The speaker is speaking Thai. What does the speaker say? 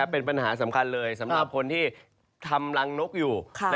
เป็นปัญหาสำคัญเลยสำหรับคนที่ทำรังนกอยู่